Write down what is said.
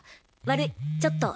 わるいちょっと。